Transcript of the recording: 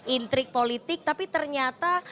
intrik politik tapi ternyata